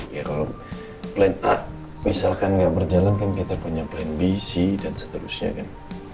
ya kalau plan a misalkan nggak berjalan kan kita punya plan b c dan seterusnya kan